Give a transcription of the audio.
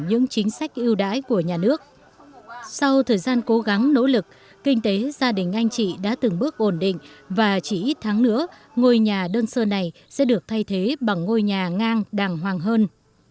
những chính sách yêu đãi của nhà nước sau thời gian cố gắng nỗ lực kinh tế gia đình anh chị đã từng bước ổn định và chỉ ít tháng nữa ngôi nhà đơn sơ này sẽ được thay thế bằng ngôi nhà ngang đàng hoàng hơn